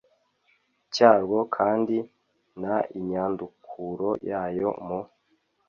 cyarwo kandi n inyandukuro yayo mu